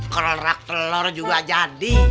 kerak telur juga jadi